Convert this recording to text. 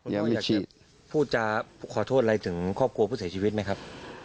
คุณพ่ออยากจะพูดจะขอโทษอะไรถึงครอบครัวผู้เสียชีวิตไหมครับ